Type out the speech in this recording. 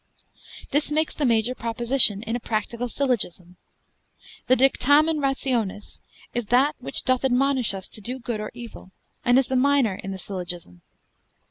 This makes the major proposition in a practical syllogism. The dictamen rationis is that which doth admonish us to do good or evil, and is the minor in the syllogism.